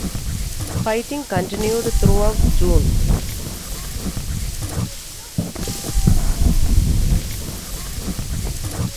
Fighting continued throughout June.